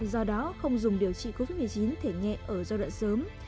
do đó không dùng điều trị covid một mươi chín thể nhãn